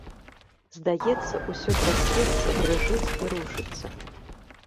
Здаецца, усё трасецца, дрыжыць і рушыцца.